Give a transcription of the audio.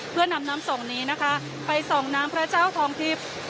เพื่อนำน้ำส่งนี้นะคะไปส่องน้ำพระเจ้าทองทิพย์